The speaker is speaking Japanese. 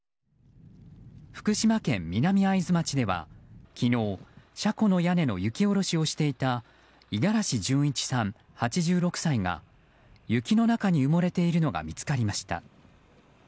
福島県南会津町では、昨日車庫の屋根の雪下ろしをしていた五十嵐諄一さん、８６歳が雪の中に埋もれているのが見つかりました。